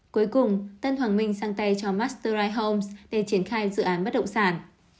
cuối cùng tân hoàng minh sang tay cho mastery homes để triển khai dự án bất động sản